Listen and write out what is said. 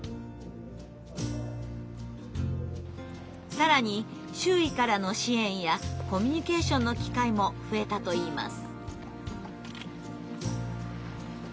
更に周囲からの支援やコミュニケーションの機会も増えたといいます。